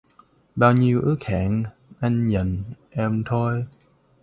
Bao nhiêu ước hẹn anh dành...em thôi.